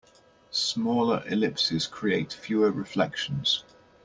Smaller ellipses create fewer reflections.